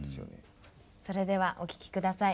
それではお聴き下さい。